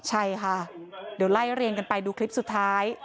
ใช่ค่ะเดี๋ยวไล่เรียงกันไปดูคลิปสุดท้าย